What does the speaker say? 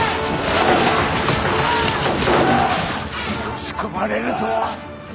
押し込まれるぞ。